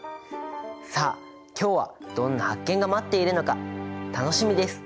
さあ今日はどんな発見が待っているのか楽しみです。